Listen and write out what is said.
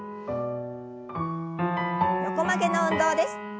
横曲げの運動です。